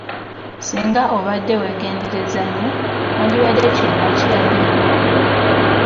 Singa obadde weegenderezza nyo wandibadde kino waakirabye.